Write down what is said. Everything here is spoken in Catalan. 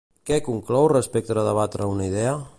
Què conclou respecte a rebatre una idea?